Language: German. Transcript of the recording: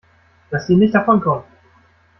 Lasst ihn nicht davonkommen!